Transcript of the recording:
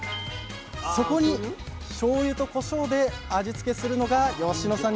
そこにしょうゆとこしょうで味付けするのが吉野さん